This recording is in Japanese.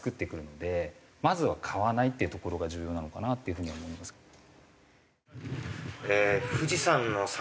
まずは買わないっていうところが重要なのかなっていう風には思いますけどね。